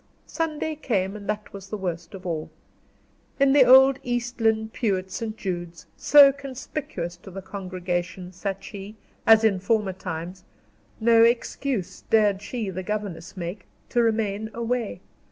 Sunday came, and that was the worst of all. In the old East Lynne pew at St. Jude's, so conspicuous to the congregation, sat she, as in former times; no excuse, dared she, the governess make, to remain away.